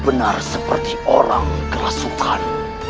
benar seperti orang kerasukan